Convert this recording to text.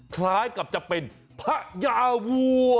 คล้ายกับจะเป็นพระยาวัว